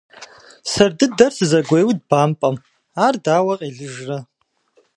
Сэр дыдэр сызэгуеуд бампӏэм, ар дауэ къелыжрэ.